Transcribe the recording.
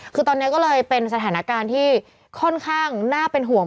คือตอนนี้ก็เลยเป็นสถานการณ์ที่ค่อนข้างน่าเป็นห่วง